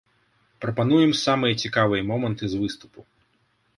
Прапануем самыя цікавыя моманты з выступу.